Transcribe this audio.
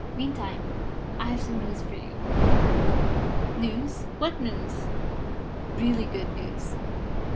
Meantime, I have some news for you." "News? What news?" "Really good news.